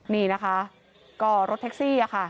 นี่นะคะก็รถแท็กซี่ค่ะ